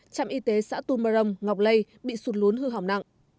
trạm y tế xã tum marong ngọc lây bị sụt lún hư hỏng nặng